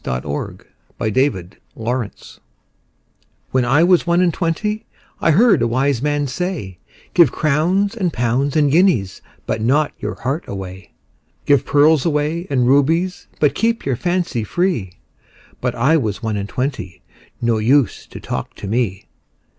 1896. XIII. When I was one and twenty WHEN I was one and twentyI heard a wise man say,'Give crowns and pounds and guineasBut not your heart away; Give pearls away and rubiesBut keep your fancy free.'But I was one and twenty, No use to talk to me.